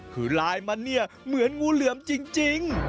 คือลายมันเนี่ยเหมือนงูเหลือมจริง